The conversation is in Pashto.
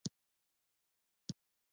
خرما د بدن قوت زیاتوي.